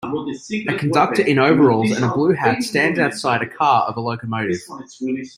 A conductor in overalls and a blue hat stands outside a car of a locomotive.